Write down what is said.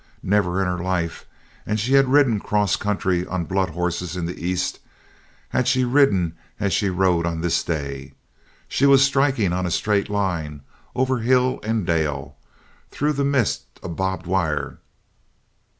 Never in her life and she had ridden cross country on blood horses in the East had she ridden as she rode on this day! She was striking on a straight line over hill and dale, through the midst of barbed wire.